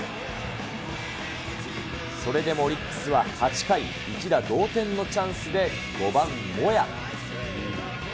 それでもオリックスは８回、一打同点のチャンスで５番モヤ。